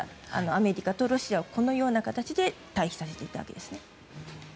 アメリカとロシアはこのような形で対比させていたんですね。